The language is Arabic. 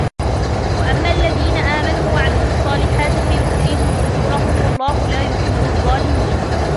وأما الذين آمنوا وعملوا الصالحات فيوفيهم أجورهم والله لا يحب الظالمين